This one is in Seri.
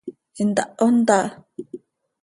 ¿Intaho ntá?